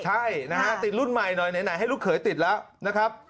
ใช่นะฮะติดรุ่นใหม่หน่อยไหนให้ลูกเขยติดแล้วนะครับ